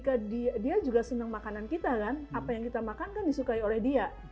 karena dia juga senang makanan kita kan apa yang kita makan kan disukai oleh dia